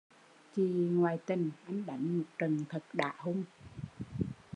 Chị ngoại tình, anh đánh một trận thật đã hung